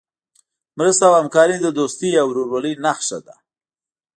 مرسته او همکاري د دوستۍ او ورورولۍ نښه ده.